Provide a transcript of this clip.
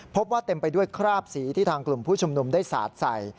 พบว่าเต็มไปด้วยคราบสีที่ทางกลุ่มผู้ชุมนุมได้สาดใส่